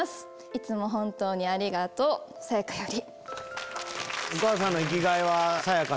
いつも本当にありがとうさやかより」。